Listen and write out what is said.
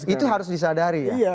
itu harus disadari ya